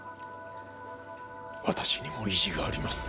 私にも意地があります！